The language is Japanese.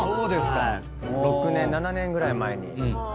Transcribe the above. ６年７年ぐらい前に。